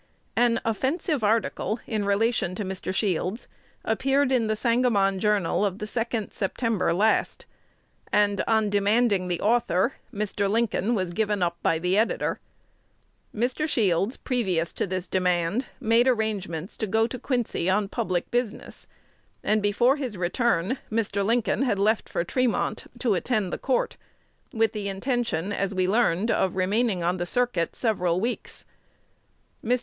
An offensive article in relation to Mr. Shields appeared in "The Sangamon Journal" of the 2d September last; and, on demanding the author, Mr. Lincoln was given up by the editor. Mr. Shields, previous to this demand, made arrangements to go to Quincy on public business; and before his return Mr. Lincoln had left for Tremont, to attend the court, with the intention, as we learned, of remaining on the circuit several weeks. Mr.